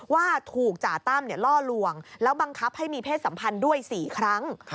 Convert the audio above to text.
ว่าถูกจ่าตั้มล่อลวงแล้วบังคับให้มีเพศสัมพันธ์ด้วย๔ครั้ง